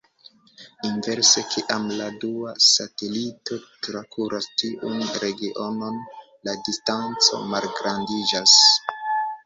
Inverse, kiam la dua satelito trakuras tiun regionon, la distanco malgrandiĝas.